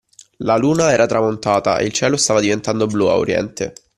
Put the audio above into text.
La Luna era tramontata e il cielo stava diventando blu a Oriente